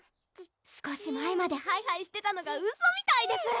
少し前までハイハイしてたのがウソみたいです